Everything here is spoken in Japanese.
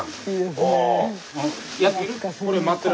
お！